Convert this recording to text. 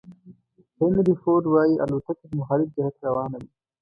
هینري فورد وایي الوتکه په مخالف جهت روانه وي.